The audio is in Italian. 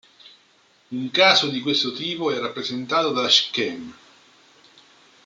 Un caso di questo tipo è rappresentato da Scheme.